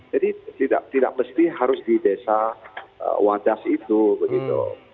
jadi tidak tidak mesti harus di desa wajas itu begitu